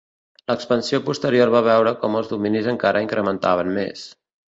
L'expansió posterior va veure com els dominis encara incrementaven més.